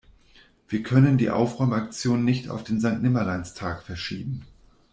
Wir können die Aufräumaktion nicht auf den Sankt-Nimmerleins-Tag verschieben.